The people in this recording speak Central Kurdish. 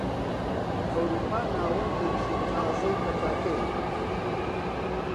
ئەوروپا ناوەندێکی تازەی پەتاکەیە.